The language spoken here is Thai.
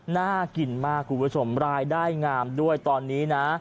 น่ากินมากคุณผู้ชมรายได้งามด้วยตอนนี้นะ